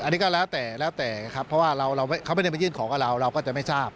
เราก็จะไม่ทราบ